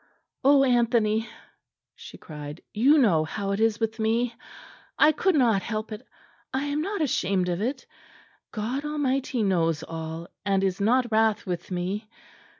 "Oh, Anthony!" she cried, "you know how it is with me. I could not help it. I am not ashamed of it. God Almighty knows all, and is not wrath with me.